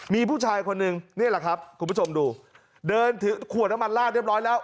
มีผู้ชายคนนึงนี่แหละครับคุณผู้ชมดูเดินถือขวดน้ำมันลาดเรียบร้อยแล้ว